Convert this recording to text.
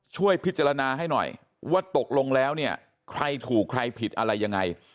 ช่วยพิจารณาให้หน่อยว่าตกลงแล้วเนี่ยใครถูกใครผิดอะไรยังไง